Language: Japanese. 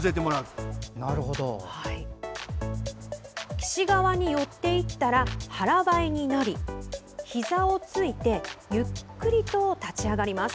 岸側に寄っていったら腹ばいになりひざをついてゆっくりと立ち上がります。